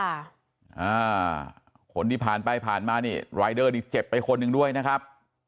อ่าคนที่ผ่านไปผ่านมานี่รายเดอร์นี่เจ็บไปคนหนึ่งด้วยนะครับ